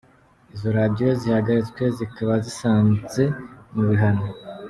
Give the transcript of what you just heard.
Izo radiyo zihagaritswe zikaba zisanze mu bihano.